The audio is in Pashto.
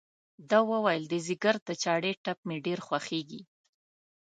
ده وویل د ځګر د چړې ټپ مې ډېر خوږېږي.